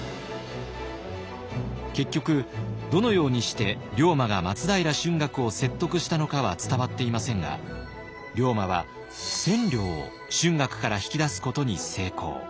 結局どのようにして龍馬が松平春嶽を説得したのかは伝わっていませんが龍馬は千両を春嶽から引き出すことに成功。